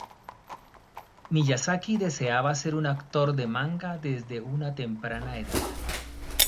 Miyazaki deseaba ser un autor de manga desde una temprana edad.